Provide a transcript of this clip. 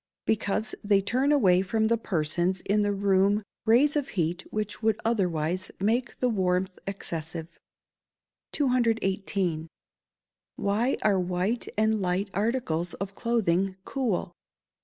_ Because they turn away from the persons in the room rays of heat which would otherwise make the warmth excessive. 218. _Why are white and light articles of clothing cool?